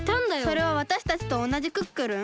それはわたしたちとおなじクックルン？